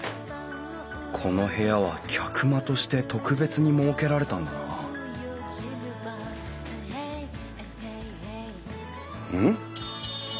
この部屋は客間として特別に設けられたんだなうん？